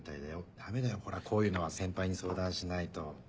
ダメだよこういうのは先輩に相談しないと。